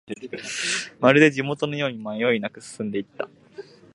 まるで地元のように迷いなく進んでいった